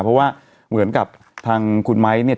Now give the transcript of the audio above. เพราะว่าเหมือนกับทางคุณไมค์เนี่ย